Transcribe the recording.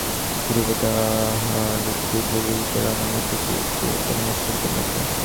ধ্রুব তাহার ক্ষুদ্র বুদ্ধিতে রাজার মধ্যে কী একটা পরিবর্তন অনুভব করিতে লাগিল।